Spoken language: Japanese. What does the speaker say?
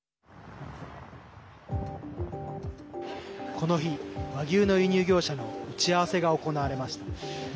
この日、和牛の輸入業者の打ち合わせが行われました。